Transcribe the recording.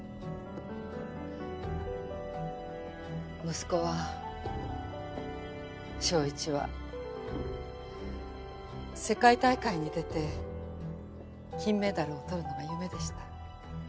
息子は翔一は世界大会に出て金メダルをとるのが夢でした。